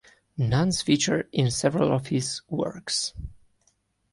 Nuns feature in several of his works.